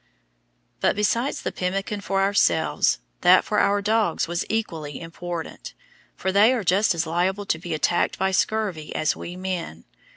But besides the pemmican for ourselves, that for our dogs was equally important, for they are just as liable to be attacked by scurvy as we men.